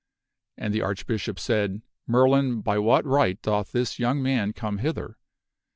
And the Archbishop said, "Merlin, by what right doth this young man come hither